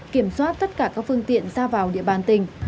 kiểm soát tất cả các phương tiện ra vào địa bàn tỉnh